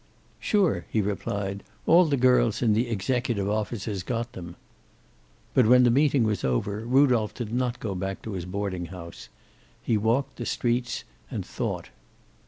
"Sure," he replied. "All the girls in the executive offices got them." But when the meeting was over, Rudolph did not go back to his boarding house. He walked the streets and thought.